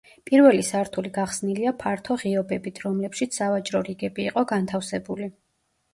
პირველი სართული გახსნილია ფართო ღიობებით, რომლებშიც სავაჭრო რიგები იყო განთავსებული.